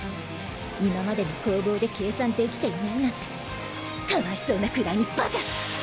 今までの攻防で計算できていないなんてかわいそうなくらいにバカ！